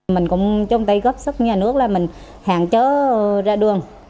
mình cũng chung tay góp sức nhà nước là mình hạn chế ra đường